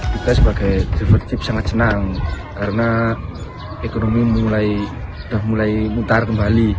kita sebagai driver tip sangat senang karena ekonomi sudah mulai muntar kembali